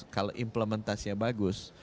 kalau implementasinya bagus